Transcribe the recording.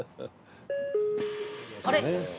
あれ？